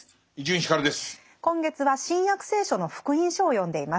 今月は「新約聖書」の「福音書」を読んでいます。